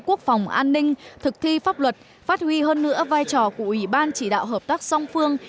quốc phòng an ninh thực thi pháp luật phát huy hơn nữa vai trò của ủy ban chỉ đạo hợp tác song phương